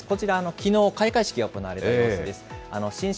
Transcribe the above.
こちら、きのう、開会式が行われた様子です。